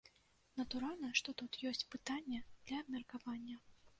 Натуральна, што тут ёсць пытанне для абмеркавання.